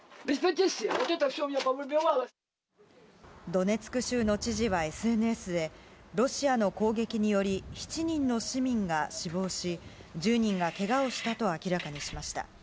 ドネツク州の知事はＳＮＳで、ロシアの攻撃により７人の市民が死亡し、１０人がけがをしたと明らかにしました。